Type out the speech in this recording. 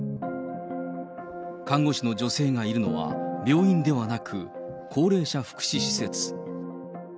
看護師の女性がいるのは、病院ではなく、高齢者福祉施設。